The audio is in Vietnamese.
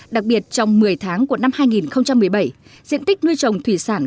đặc biệt trong một mươi tháng của năm hai nghìn một mươi bảy diện tích nuôi trồng thủy sản